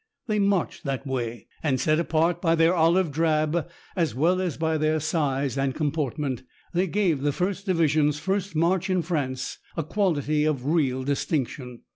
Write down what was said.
They marched that way. And, set apart by their olive drab as well as by their size and comportment, they gave that First Division's first march in France a quality of real distinction.